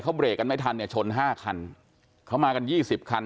เขาเรกกันไม่ทันเนี่ยชนห้าคันเขามากันยี่สิบคัน